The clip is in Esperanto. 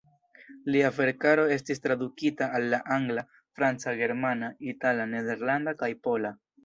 Lia verkaro estis tradukita al la angla, franca, germana, itala, nederlanda kaj pola.